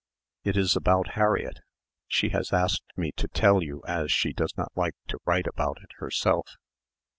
It is about Harriett. She has asked me to tell you as she does not like to write about it herself."